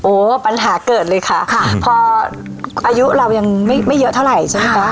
ปัญหาเกิดเลยค่ะค่ะพออายุเรายังไม่เยอะเท่าไหร่ใช่ไหมคะ